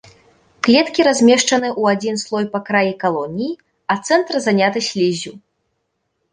Клеткі размешчаны ў адзін слой па краі калоніі, а цэнтр заняты сліззю.